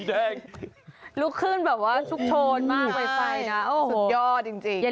เหมือนเรามีไฟไฟไฟ